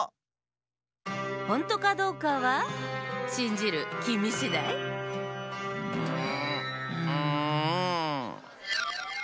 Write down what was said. ほんとかどうかはしんじるきみしだい？んんん。